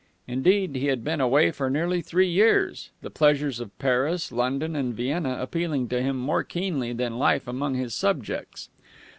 Indeed, he had been away for nearly three years, the pleasures of Paris, London and Vienna appealing to him more keenly than life among his subjects.